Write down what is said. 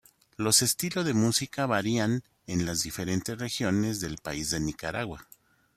Los estilos de música varían en las diferentes regiones del país de Nicaragua.